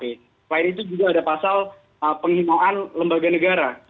selain itu juga ada pasal penghinaan lembaga negara